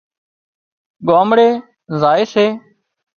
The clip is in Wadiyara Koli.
ڳامڙي زائي سي